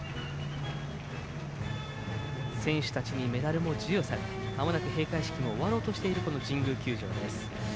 選手たちにメダルも授与されてまもなく閉会式が終わろうとしている神宮球場です。